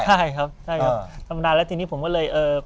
ใช่ครับธรรมดาแล้วทีนี้ผมก็เลย